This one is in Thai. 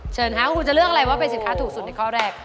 เชิญค่ะว่าคุณจะเลือกอะไรว่าเป็นสินค้าถูกสุดในข้อแรก